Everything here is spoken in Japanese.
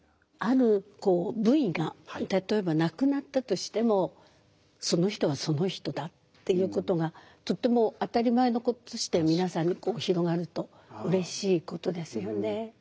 ある部位が例えばなくなったとしてもその人はその人だっていうことがとっても当たり前のこととして皆さんに広がるとうれしいことですよね。